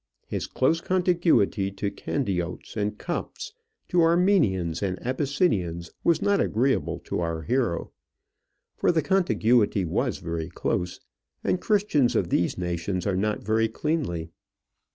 His close contiguity to Candiotes and Copts, to Armenians and Abyssinians was not agreeable to our hero, for the contiguity was very close, and Christians of these nations are not very cleanly.